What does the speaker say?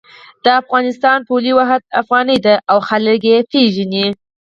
د افغانستان پولي واحد افغانۍ ده او خلک یی پیژني